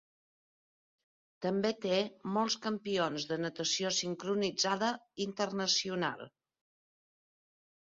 També té molts campions de natació sincronitzada internacional.